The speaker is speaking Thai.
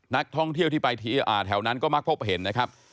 นักท่องเที่ยวที่ไปแถวนั้นก็มักพบเห็นนะครับ